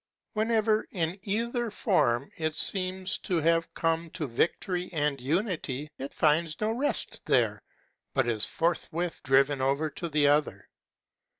Whenever, in either form, it seems to have come to victory and unity, it finds no rest there, but is forthwith driven over to the other.